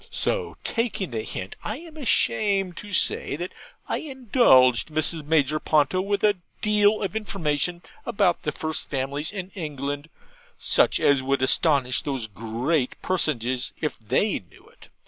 So, taking the hint, I am ashamed to say I indulged Mrs. Major Ponto with a deal of information about the first families in England, such as would astonish those great personages if they knew it.